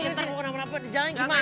ntar gak kenapa napa di jalan gimana